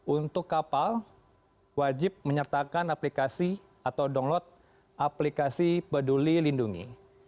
untuk kapal wajib menyertakan aplikasi atau download aplikasi peduli lindungi